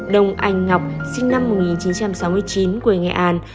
đông anh ngọc sinh năm một nghìn chín trăm sáu mươi chín quê nghệ an